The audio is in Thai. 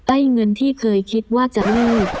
ไอ้เงินที่เคยคิดว่าจะลูก